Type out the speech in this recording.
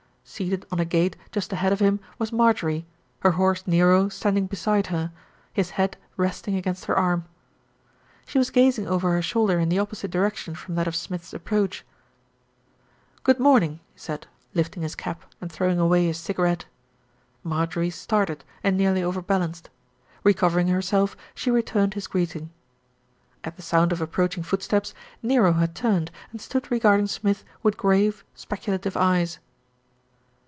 Seated on a gate just ahead of him was Marjorie, her horse, Nero, standing beside her, his head resting against her arm. She was gazing over her shoulder in the opposite direction from that of Smith's approach. "Good morning," he said, lifting his cap and throw ing away his cigarette. Marjorie started and nearly over balanced. Recov ering herself, she returned his greeting. At the sound of approaching footsteps, Nero had turned and stood regarding Smith with grave, specu lative eyes.